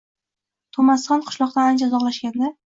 To’masxon qishloqdan ancha uzoqlashganda